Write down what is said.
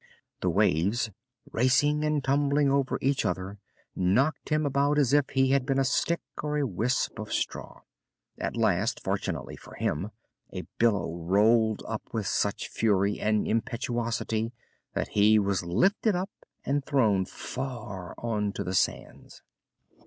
The waves, racing and tumbling over each other, knocked him about as if he had been a stick or a wisp of straw. At last, fortunately for him, a billow rolled up with such fury and impetuosity that he was lifted up and thrown far on to the sands.